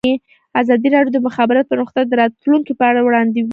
ازادي راډیو د د مخابراتو پرمختګ د راتلونکې په اړه وړاندوینې کړې.